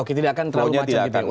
oke tidak akan terlalu macet gitu ya